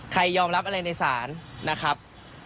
ยอมรับอะไรในศาลนะครับ